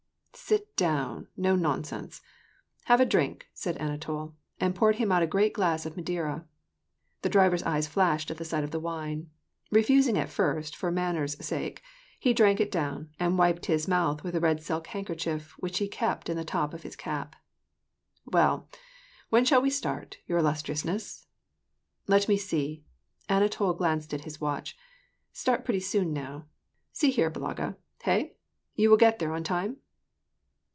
"Sit down, no nonsense. Have a drink," said Anatol, and poured him out a great glass of Madeira. The driver's eyes flashed at the sight of the wine. Kefusing at first, for manners' sake, he drank it down, and wiped his mouth with a red silk handkerchief which he kept in the top of his cap. " Well, when shall we start, your illustriousness ?"" Let me see," Anatol glanced at his watch ;" start pretty soon now. See here, Balaga, hey! You will get there on time